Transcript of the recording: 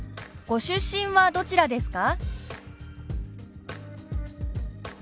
「ご出身はどちらですか？」。